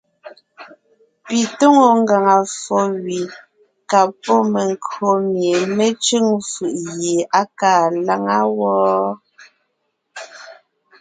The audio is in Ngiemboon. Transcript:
Pi tóŋo ngàŋa ffo gẅi ka pɔ́ menkÿo mie mé cʉ̂ŋ fʉʼ gie á kaa láŋa wɔ́.